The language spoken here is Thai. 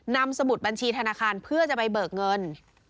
สมุดบัญชีธนาคารเพื่อจะไปเบิกเงิน